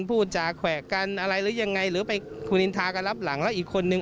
พูดจากแขวะกันอะไรเรื่อยังไงหรือไปคุณินทรากันรับหลัง